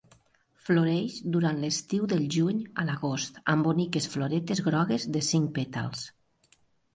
Floreix durant l'estiu del juny a l'agost amb boniques floretes grogues de cinc pètals.